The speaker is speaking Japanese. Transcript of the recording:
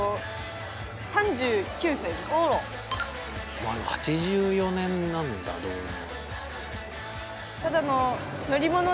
まあでも８４年なんだ導入。